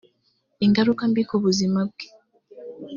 ingaruka mbi ku buzima bwe